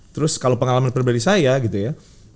terus kalau pengalaman pribadi saya gitu ya